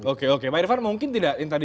oke oke pak irfan mungkin tidak yang tadi